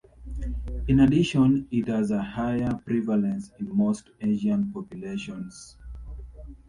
In addition it has a higher prevalence in most Asian populations.